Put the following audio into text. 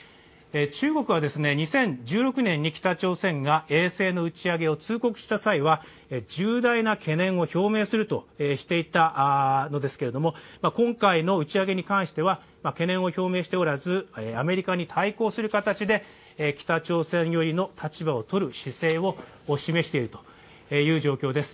中国は２０１６年に北朝鮮が衛星の打ち上げを通告した際は重大な懸念を表明するとしていたわけですが今回の打ち上げに関しては懸念を表明しておらずアメリカに対抗する形で北朝鮮寄りの立場をとる姿勢を示しているという状況です。